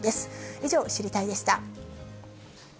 以上、知りたいッ！でした。